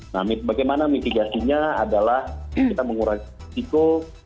nah bagaimana mitigasinya adalah kita mengurangi risiko